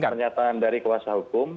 pernyataan dari kuasa hukum